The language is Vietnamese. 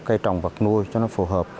cây trồng vật nuôi cho nó phù hợp